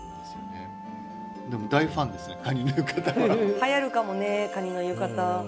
はやるかもねカニの浴衣。